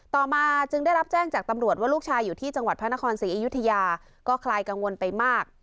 ต่อมาจึงได้รับแจ้งจากตำรวจว่าลูกชายอยู่ที่จังหวัดพระนครศรีอยุธยาก็คลายกังวลไปมาก